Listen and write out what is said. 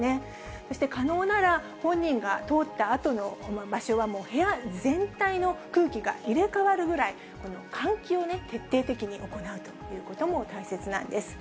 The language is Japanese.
そして可能なら、本人が通ったあとの場所は、部屋全体の空気が入れ代わるぐらい、換気を徹底的に行うということも大切なんです。